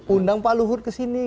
undang pak luhut ke sini